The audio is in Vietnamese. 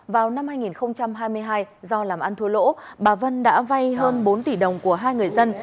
vào năm hai nghìn hai mươi hai do làm ăn thua lỗ bà vân đã vay hơn bốn tỷ đồng của hai người dân